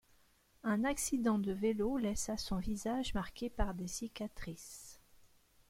Un accident de vélo laissa son visage marqué par des cicatrices.